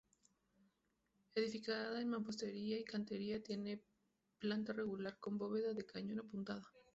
Edificada en mampostería y cantería, tiene planta rectangular con bóveda de cañón apuntada.